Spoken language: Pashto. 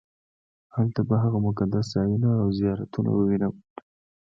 هلته به هغه مقدس ځایونه او زیارتونه ووېنم.